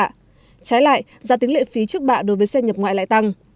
trái lại giá tính lệ phí trước bạ đối với xe nhập ngoại lại tăng